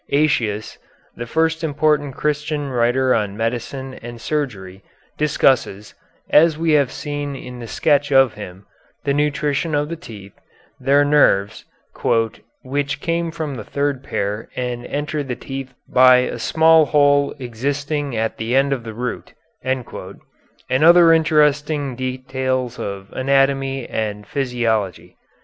Aëtius, the first important Christian writer on medicine and surgery, discusses, as we have seen in the sketch of him, the nutrition of the teeth, their nerves, "which came from the third pair and entered the teeth by a small hole existing at the end of the root," and other interesting details of anatomy and physiology.